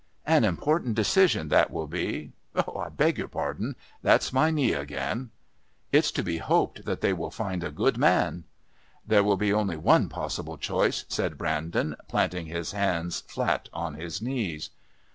"An important decision that will be I beg your pardon. That's my knee again. "It's to be hoped that they will find a good man." "There can be only one possible choice," said Brandon, planting his hands flat on his knees.